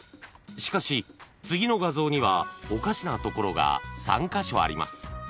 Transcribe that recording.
［しかし次の画像にはおかしなところが３カ所あります］